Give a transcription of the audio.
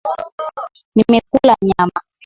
Nimekula nyama.